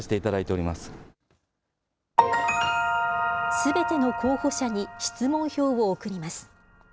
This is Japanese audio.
すべての候補者に質問票を送ります。